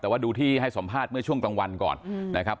แต่ว่าดูที่ให้สัมภาษณ์เมื่อช่วงกลางวันก่อนนะครับ